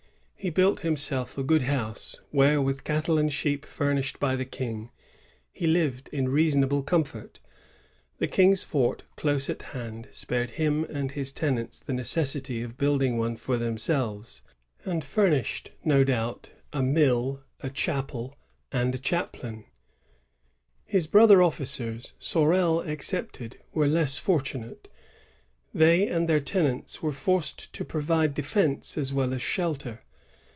He built himself a good liouse, where, with cattle and sheep furnished 1)y tlie King, lie lived in reasonable com fort.^ The King's fort, close at hand, spared him and his tenants tlie necessity of building one for thenmolves, and furnisliod, no doubt, a mill, a chapel, and a ohaphiin. His broUier oflicers, Sorel excepted, wore less fortunate. They and their tenants were forced to provide defence as well as shelter.